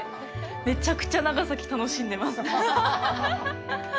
めちゃくちゃ長崎楽しんでます。